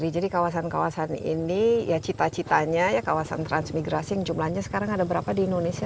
kawasan kawasan ini ya cita citanya ya kawasan transmigrasi yang jumlahnya sekarang ada berapa di indonesia